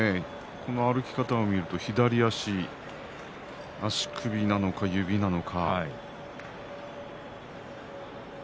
この歩き方を見ると左足足首なのか指なのか。